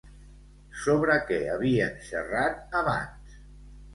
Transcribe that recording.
Sobre què havien xerrat abans?